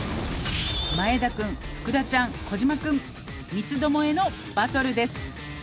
「前田くん福田ちゃん児嶋くん」「三つどもえのバトルです」